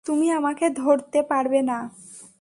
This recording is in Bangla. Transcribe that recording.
তুমি আমাকে ধরতে পারবে না।